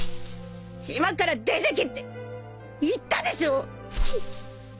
島から出てけって言ったでしょう！？